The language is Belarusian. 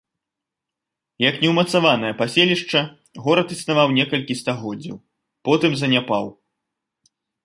Як неўмацаванае паселішча горад існаваў некалькі стагоддзяў, потым заняпаў.